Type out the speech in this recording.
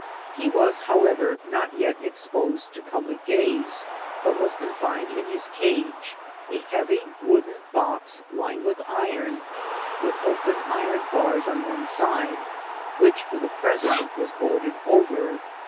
He was, however, not yet exposed to public gaze, but was confined in his cage, a heavy wooden box lined with iron, with open iron bars on one side, which for the present was boarded over.